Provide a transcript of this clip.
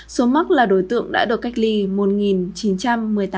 số mắc là đối tượng đã được cách ly một chín trăm một mươi tám người